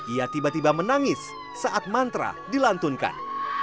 ia tiba tiba menangis saat mantra dilantunkan